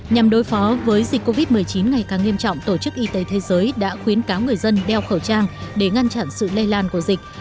nhằm đối phó với dịch covid một mươi chín ngày càng nghiêm trọng tổ chức y tế thế giới đã khuyến cáo người dân đeo khẩu trang để ngăn chặn sự lây lan của dịch